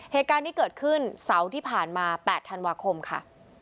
เหตุการณ์นี้เกิดขึ้นเสาร์ที่ผ่านมา๘ธันวาคมค่ะ